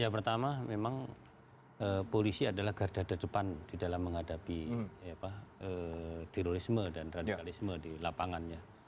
ya pertama memang polisi adalah garda terdepan di dalam menghadapi terorisme dan radikalisme di lapangannya